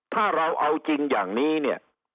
ถ้าเราเอาจริงอย่างนี้